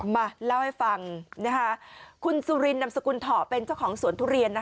มาเล่าให้ฟังคุณสุรินนำสกุลเถาะเป็นเจ้าของสวนทุเรียน